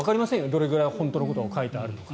どれくらい本当のことが書いてあるのか。